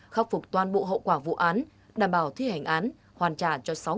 khắc phục toàn bộ hậu quả vụ án đảm bảo thi hành án hoàn trả cho sáu sáu trăm ba mươi một bị hại